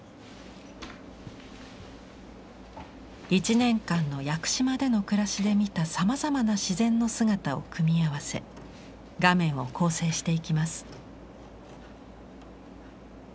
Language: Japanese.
１年間の屋久島での暮らしで見たさまざまな自然の姿を組み合わせ画面を構成していきます。